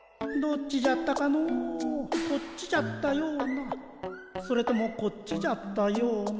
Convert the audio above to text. こっちじゃったようなそれともこっちじゃったようなうむ。